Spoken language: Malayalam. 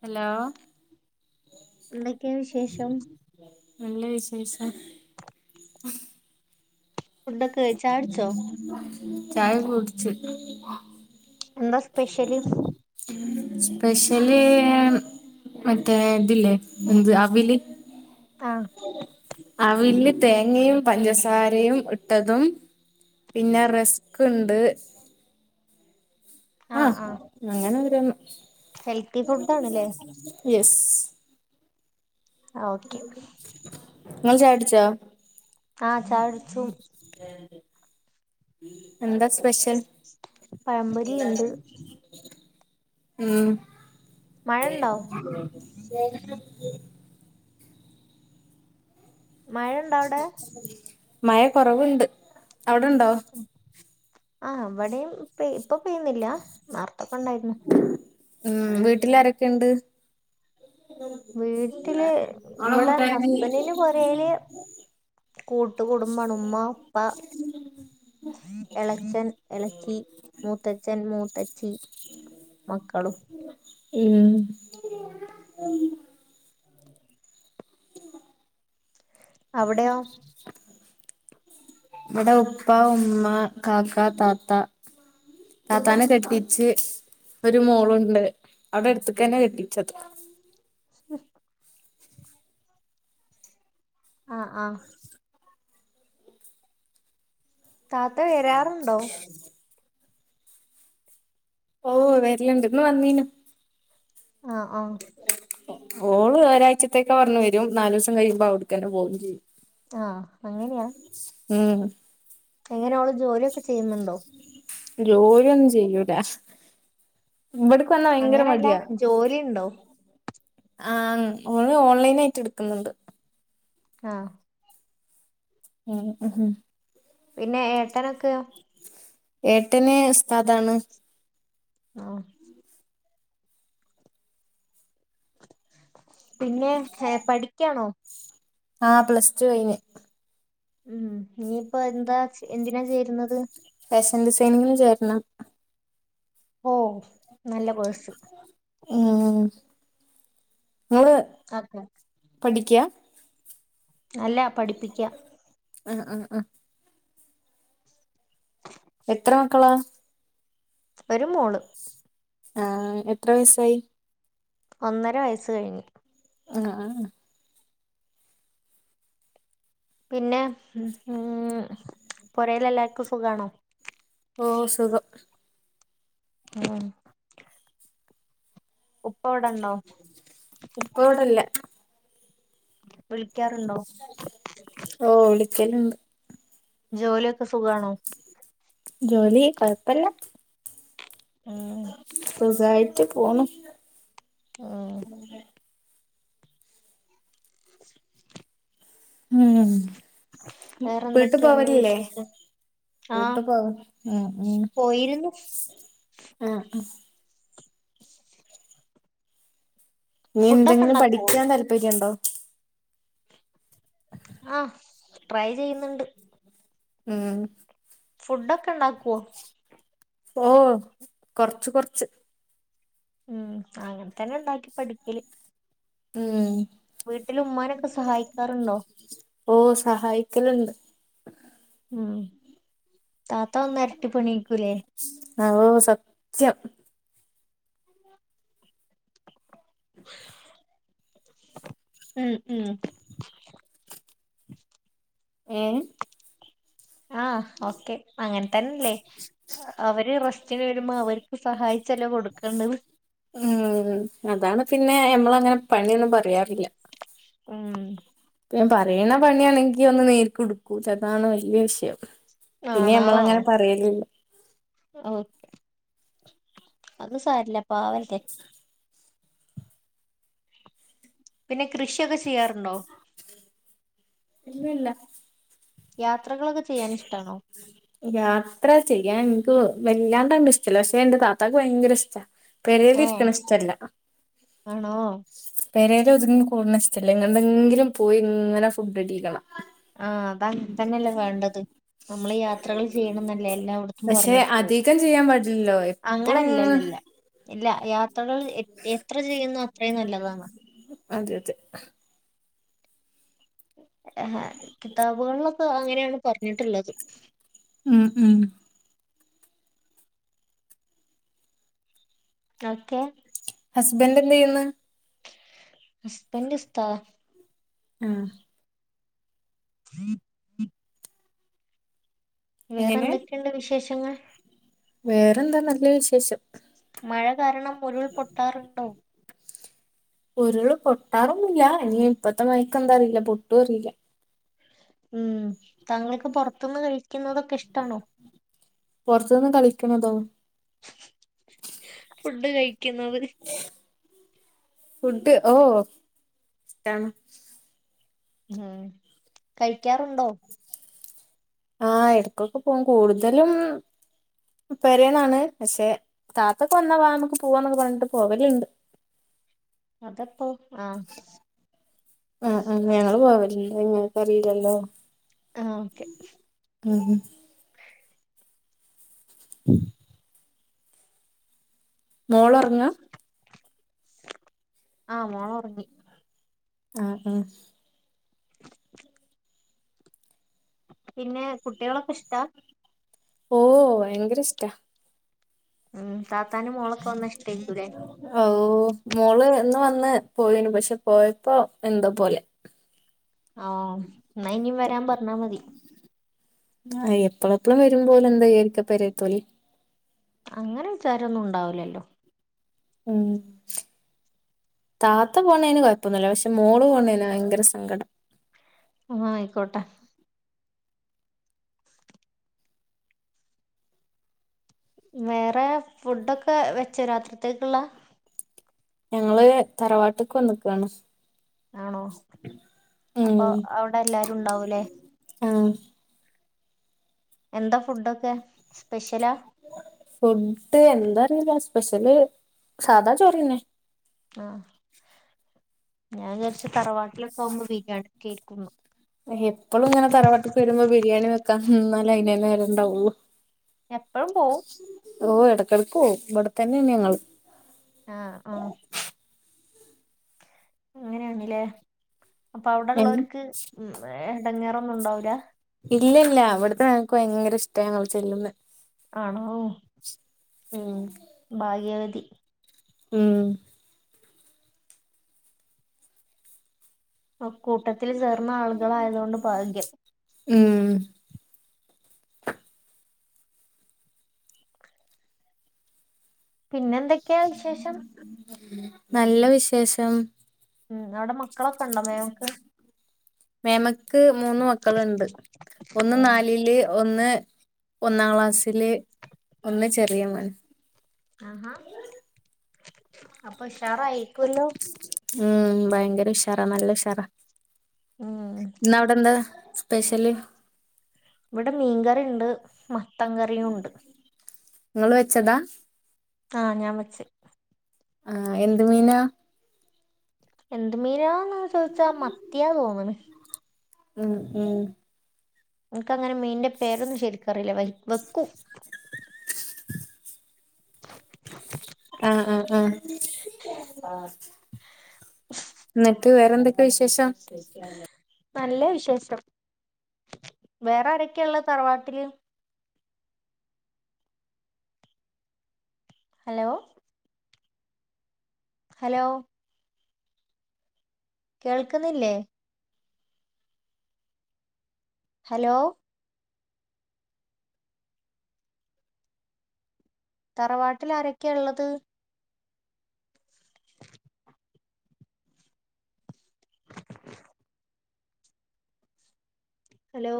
ഹലോ എന്തൊക്കെയ വിശേഷം നല്ല വിശേഷം ഫുഡൊക്കെ കഴിച്ചോ ചായ കുടിച്ചോ ചായ കുടിച്ച് എന്താ സ്പെഷ്യല് ഉം സ്പെഷ്യല് മറ്റേ തില്ലേ എന്ത് അവില് ആഹ്. അവല് തേങ്ങയും പഞ്ചസാരയും ഇൻ ട്ടതും പിന്നെ റസ്ക് ണ്ട്. ആഹ് അങ്ങനെ ഓരോന്. ഹെൽത്തി ഫുഡ് ആണല്ലേ യെസ്. ആ ഓക്കെ. നിങ്ങൾ ചായട്ച്ചോ? ആഹ ചാട്ച്ചു. എന്താസ് പെശൽ പഴംപൊരി ഉണ്ട് ന്താണ്. ഉം. മഴ ഉണ്ടോ മഴുണ്ട അവ്ടെ? മഴ കുറവുണ്ട് അവിടെണ്ടോ? ആ് അവിടെയും ഇപ്പൊ ഇപ്പൊ പെയ്യുന്നില്ല ന്നാർത്തൊക്കെ ഉണ്ടായിരുന്നു. ഉം വീട്ടിൽ ആാരൊക്കെുണ്ട്? വീട്ടില് വ്ടെ ഹസ്ബൻറിന്റെ പൊരേല് കൂട്ട് കുടുംബാണ് ഉമ്മ അപ്പ എളച്ചൻ എളച്ചി മൂത്തച്ഛൻ മൂ ചി മക്കളും. ഉം. അവിടെയോ? നമ്മടെ ഉപ്പ ഉമ്മ കാക്ക താത്ത. താതാനെ കെട്ടിച്ച്. ഒരു മോളുണ്ട് അവിടെ എടുത്ക്കന്നെ കെട്ടിച്ചത്. ഹ്. ആഹ ആഹ. താത്ത വരാറുണ്ടോ? ഓ വര്ല്ണ്ട് ഇന്ന് വന്നീനു. ആഹ ആഹ. ഓള് ഒരാഴ്ചത്തേക്ക പറഞ്ഞു വരും നാല് ഓസം കയുമ്പോ അവ്ട്ക്കന്നെ പോവു ചെയ്യും. ആഹ അങ്ങിനെയാ? ഉം. എങ്ങനെഓള് ജോലിയൊക്കെ ചെയ്യുന്നുണ്ടോ? ജോലി ഒന്നും ചെയ്യൂല. ഇവട്ക്കന്നാ ഭയങ്കര അങ്ങനല്ല മടിയാ. ജോലിണ്ടോ ആഹ ഓള് ഓൺലൈൻ ആയിട്ട് ഇട്ക്ന്നുണ്ട്. ആഹ. ഉ ഉ ഉം. പിന്നെ ഏട്ടനൊക്കെ. ഏട്ടന് ഉസ്താദാണ്. ആഹ. പിന്നെ പഠിക്കാണോ? ആഹ പ്ലസ് ടു കയ്ഞ്. ഉം ഇനിയിപ്പോ എന്താ എന്തിനാ ചേരുന്നത്? ഫാഷൻ ഡിസൈനിങ്ങിന് ചേരണം. ഓ നല്ല കോഴ്സ്. ഉം ഉം. അതെ. പഠിക്യാ? അല്ല പഠിപ്പിക്ക്യ. ആഹ് ആഹ് ആഹ് എത്ര മക്കളാ ഒര് മോള് ആഹ് എത്ര വയസായി ഒന്നര വയസ് കഴിഞ്ഞ്. ആഹ് ആഹ് പിന്നെ മ് മ് പോരേലെല്ലാര്ക്കും സുഖാണോ? ഓ സുഖം ആഹ് ഉപ്പ വടണ്ടോ ഇപ്പ ഇവിടെല്ല [unintelligible] ഓ വിളിക്കല്ണ്ട് ജോലി ഒക്കെ സുഖാണോ ജോലി കൊഴപ്പല്ല ഉം സുഖായി ട്ട് പോണു ആഹ് മ് വീട്ട് വേറെന്തൊക്കെയുണ്ട് പോവലില്ലേ വിശേഷം ആഹ് വീട്ട് പോവാ മ് മ് പോയിരുന്നു ആഹ് ആഹ് ഞ്ഞി ഫുഡൊക്കെ എന്തെങ്കിലും ഉണ്ടാക്കുവോ പഠിക്ക്യാൻ താല്പര്യണ്ടോ ആഹ് ട്രൈ ചെയ്യ്ന്ന്ണ്ട് ഉം ഫുഡൊക്കെ ണ്ടാക്കോ ഓ കൊർച്ച് കൊർച്ച് മ് അങ്ങൻ തന്നെണ്ടാക്കി പഠിക്കല് മ് വീട്ടില് ഉമ്മാനൊക്കെ സഹായിക്കാറുണ്ടോ ഓ സഹായിക്കല്ണ്ട് മ് താത്ത വന്നാ എര്ട്ടി പണ്യാക്കൂലേ ആ ഓ സത്യം മ് മ് ഏ ആഹ് ക്കെ അങ്ങൻതന്നല്ലേ അവര് വരുമ്പോ അവര്ക്ക് സഹായിച്ചല്ലേ കൊട്ക്കണ്ടത് മ് അതാണ് പിന്നെ ഞമ്മളങ്ങനെ പണിയൊന്നും പറയാറില്ല മ് പ്പ ഞാം പറീണ പണിയാണെങ്കി ഒന്ന് നേരക്കോട്ട്ട്ക്കൂല അതാണ് വല്ല്യേ വിഷയം പിന്നെ ആണോ ഞമ്മളങ്ങനെ പറേലൂല ഓ അത് സാരല്ല പാവല്ലെ പിന്നെ കൃഷിയൊക്കെ ചെയ്യാറ്ണ്ടോ ഇല്ലല്ല യാത്രകളൊക്കെ ചെയ്യാൻ ഇഷ്ടാണോ യാത്ര ചെയ്യാൻ വല്ലാതങ്ങട്ട് ഇഷ്ട്ടല്ല പക്ഷെ ന്റെ താത്താക്ക് ഭയങ്കര ഇഷ്ട്ടാ പെരേല് ഏഹ് ഇരിക്കണ ഇഷ്ട്ടല്ല. ആണോ പെരേല് ഒതുങ്ങി കൂട്ണ ഇഷ്ട്ടല്ല എങ്ങണ്ടെങ്കിലും പോയി ഇങ്ങനെ ഫുഡ്ഡ് അടി ആഹ് അതങ്ങൻതന്നല്ലേ വേണ്ടത് നമ്മള് യാത്രകൾ ചെയ്യണം എന്നല്ലേ എല്ലായടത്തും പക്ഷെ പറഞ്ഞിട്ട്ള്ളത് അധികം ചെയ്യാൻ പാടില്ലല്ലോ എപ്പളും ഇങ്ങനെ അങ്ങനല്ലല്ലല്ല ഇല്ല യാത്രകൾ എത്ര ചെയ്യുന്നു അത്രയും നല്ലതാണ് അതെ അതെ കിതാബുകളിലലൊക്കെ അങ്ങനെയാണ് പറഞ്ഞിട്ടുള്ളത്. ഉം ഉം ദേക്കെ ഹസ്ബൻഡ് എന്ത ചെയ്യന്ന്? ഹസ്ബൻഡ് ഉസ്താദ. ആഹ [inaudible] വേറെ എങ്ങനെ എന്തൊക്കെയുണ്ട് വിശേഷങ്ങൾ? വേറെന്താ നല്ല വിശേഷം. മഴ കാരണം ഉരുൾ പൊട്ടാറുണ്ടോ? ഉരുള് പൊട്ടാറൊന്നില്ല. ഇനി ഇപത്തെ മയക്കന്താ അറില്ല പെട്ടോ, അറില്ല. ഉം. തങ്കൾക്ക് പെറത്തുന്ന് കഴിക്കുന്നതൊക്കെ, ഇഷ്ടാണോ? പുറത്തുന്ന് കളിക്കണതോ. ഫുഡ് കഴിക്കുന്നത്. ഫുഡ് ഓ, ആ ഉം കഴിക്കാറുണ്ടോ? ആഹ്. ഇടക്കൊക്കെ പോകും കൂടുതലും പരെനാണ്, പക്ഷെ താത്തൊക്കെ വന്നാ വാ നമുക്ക് പോവാന്നൊക്കെ പറഞ്ഞി പോകലുണ്ട്. അതപ്പോ? ആഹ് ആ ആ ഞങ്ങള് പോവില്ല. ങ്ങക്ക്, അറിയില്ലല്ലോ. ആഹ ഓക്കെ. ആ, ഹ [inaudible] മോളൊറങ്ങ. ആ. മോളറങ്ങി ആഹ ആഹ പിന്നെ. കുട്ടികളൊക്കെ ഇഷ്ടാ? ഓ വയങ്കരഷ്ട. ഉം താത്താനും മോളൊക്കെ വന്നാ ഇഷ്ടായിരിക്കൂല്ലേ ഓ, മോള്ന്ന് ന്, പോയിന്നു, പക്ഷെ പോയപ്പോ എന്താ പോലെ. ആഹ. എന്നാ ഇനിയും വരാൻ പറഞ്ഞാ മതി. ആ, എപ്പള എപ്പള്ളു വരുമ്പോ എന്താചാരിക്ക പരത്തോല്. അങ്ങനെ വിച്ചാരൊന്നും ഉണ്ടാവുലല്ലോ. ഉ താത്ത പോണേന് കൊഴപ്പൊന്നുല്ല, പക്ഷെ, മോള് പോണേന ഭയങ്കര സങ്കടം. ആ ആയിക്കോട്ടെ. വേറെ. ഫുഡൊക്കെ വെച്ചേ രാത്രിക്കത്തേക്കുള്ള. ഞങ്ങള്. തറവാട്ട്ക്ക് വന്നക്കാണ്. ആണോ? ഉം അപ്പൊ അവിടെ എല്ലാരും ഉണ്ടാവൂലേ. ആഹ് എന്താ ഫുഡൊക്കെ? സ്പെഷ്യലാ ഫുഡ് എന്താറില സ്പെഷ്യല് സാദാ ചോറന്നെ. ആഹ്, ഞാൻചാരിച്ച്, തറവാട്ടിലൊക്കെ ആവുമ്പോ ബിരിയാണിക്കെയിരികെന്ന്. എപ്പളും ഇങ്ങനെതറവാട്ട്ക്ക്കെ രുമ്പോ, ബിരിയാണി വെക്കാന്നാല്ലേ അയിന്ന്തന്നെ, നേരം ഇണ്ടാവള്ളു. എപ്പഴും പോവും ഓ. ഇടക്കിടക്കുവോ ഇവിടെത്തന്നെയാണ് ഞങ്ങള്. ആഹ് ആഹ് അങ്ങനെയാണല്ലേ. അപ്പൊ ഏഹ് അവിടെള്ളവർക്ക് ഇടങ്ങേറൊന്നും ഉണ്ടാവൂല? ഇല്ല ഇല്ല അവിടുത്തെ, നങ്ങക്ക് ഭയങ്കര ഇഷ്ടങ്ചെല്ലന്നേ. ആണോ ഉം ഭാഗ്യവതി ഉം ആ കൂട്ടത്തിൽ ചേർന്ന ആളുകളായതൊണ്ട് ഭാഗ്യം ഉം പിന്നെന്തൊക്കെയാ വിശേഷം നല്ല വിശേഷം ഉം അവിടെ മക്കളൊക്കെ ഉണ്ടോ മേമക്ക് മേമക്ക് മൂന്ന് മക്കളുണ്ട് ഒന്ന് ഉം നാലില് ഒന്ന് ഒന്നാം ക്ലാസ്സില് ഒന്ന് ചെറിയ മോനാ ആഹാ അപ്പൊ ഉഷാറായ്ക്കുലോ ഉം ഭയങ്കര ഉഷാറാ നല്ല ഉഷാറാ ഉം ഇന്ന് അവിടെ എന്താ സ്പെഷ്യല് ഇവിടെ മീൻകറിണ്ട് മത്തൻ കറിയും ഉണ്ട് നിങ്ങള് വെച്ചതാ ആഹ് ഞാൻ വച്ചേ ആഹ് എന്ത് മീനാ എന്ത് മീനാന്ന ചോദിച്ചാ മത്തിയാ തോന്നണ് ഉം ഉം എനക്ക് അങ്ങനെ മീന്റെ പേരൊന്നും ശരിക്കറില്ല വെക്കും [unintelligible] ആഹ് ആഹ് ആഹ് എന്നിട്ട് വേറെന്തൊക്കെയാ വിശേഷം നല്ല വിശേഷം വേറെ ആരൊക്കെയാ ഉള്ള തറവാട്ടില് ഹലോ ഹലോ കേൾക്കുന്നില്ലേ ഹലോ തറവാട്ടിൽ ആരൊക്കെയ ഉള്ളത് ഹലോ